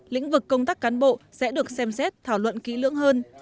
lĩnh vực công tác cán bộ sẽ được xem xét thảo luận kỹ lưỡng hơn